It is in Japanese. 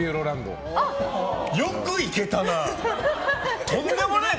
よく行けたな。